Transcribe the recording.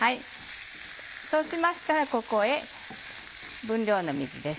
そうしましたらここへ分量の水です。